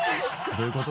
どういうこと？